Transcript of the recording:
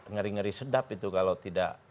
ngeri ngeri sedap itu kalau tidak